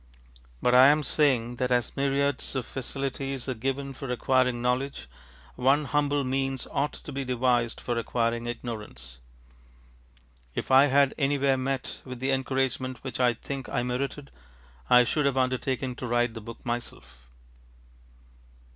But I am saying that as myriads of facilities are given for acquiring knowledge, one humble means ought to be devised for acquiring ignorance. If I had anywhere met with the encouragement which I think I merited, I should have undertaken to write the book myself.